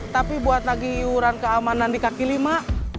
tapi buat lagi iuran keamanan di kaki lima